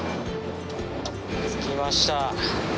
着きました。